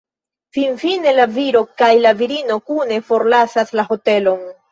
Finfine la viro kaj la virino kune forlasas la hotelon.